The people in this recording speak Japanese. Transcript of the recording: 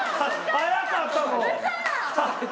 速かったもん